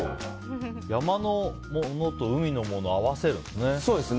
山のものと海のものを合わせるんですね。